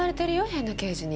変な刑事に。